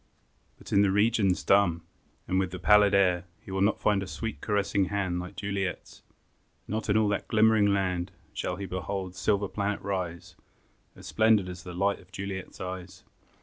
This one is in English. But in the regions dumb, And in the pallid air, He will not find a sweet, caressing hand Like Juliet's; not in all that glimmering land Shall he behold a silver planet rise As splendid as the light of Juliet's eyes.